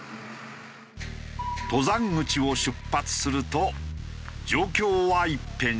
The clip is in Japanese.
登山口を出発すると状況は一変する。